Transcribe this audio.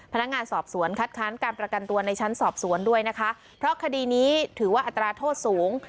พนักงานสอบสวนคัดค้านการประกันตัวในชั้นสอบสวนด้วยนะคะเพราะคดีนี้ถือว่าอัตราโทษสูง